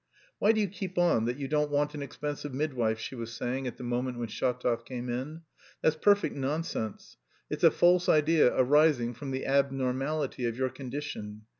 "Why do you keep on that you don't want an expensive midwife?" she was saying at the moment when Shatov came in. "That's perfect nonsense, it's a false idea arising from the abnormality of your condition.